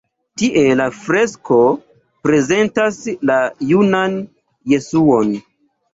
Tie la fresko prezentas la junan Jesuon.